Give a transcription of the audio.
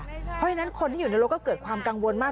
เพราะฉะนั้นคนที่อยู่ในรถก็เกิดความกังวลมาก